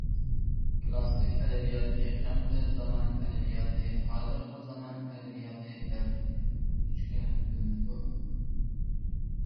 كلاسسىك ئەدەبىيات، يېقىنقى زامان ئەدەبىياتى، ھازىرقى زامان ئەدەبىياتى دەپ ئۆچكە بۆلۈنىدۇ.